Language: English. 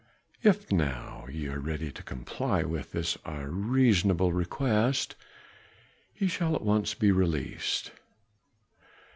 If now ye are ready to comply with this our reasonable request, ye shall at once be released."